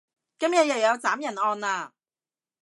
今日又有斬人案喇